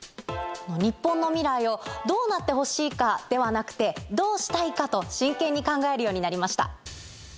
日本の未来をどうなってほしいかではなくて、どうしたいか？と真剣に考えるようになりました。